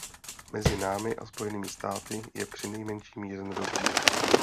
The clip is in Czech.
Mezi námi a Spojenými státy je přinejmenším jeden rozdíl.